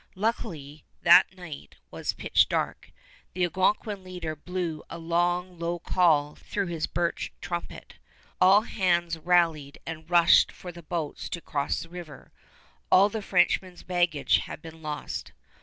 Luckily, that night was pitch dark. The Algonquin leader blew a long low call through his birch trumpet. All hands rallied and rushed for the boats to cross the river. All the Frenchmen's baggage had been lost.